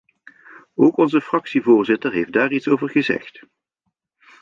Ook onze fractievoorzitter heeft daar iets over gezegd.